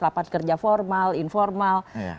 lapangan kerja formal informal